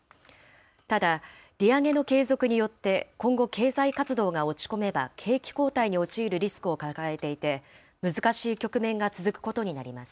ただ、利上げの継続によって今後、経済活動が落ち込めば、景気後退に陥るリスクを抱えていて、難しく局面が続くことになります。